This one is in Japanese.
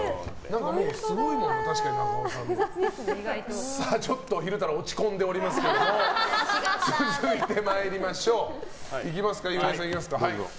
すごいもん、確かに中尾さんの。ちょっと昼太郎落ち込んでおりますけども続いて、岩井さんいきますか。